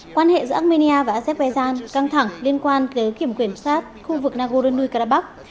quan hệ giữa armenia và azerbaijan căng thẳng liên quan tới kiểm quyền sát khu vực nagorno karabakh